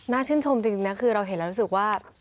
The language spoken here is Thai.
ชื่นชมจริงนะคือเราเห็นแล้วรู้สึกว่า